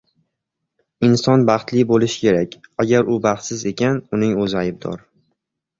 Inson baxtli bo‘lishi kerak. Agar u baxtsiz ekan, uning o‘zi aybdor.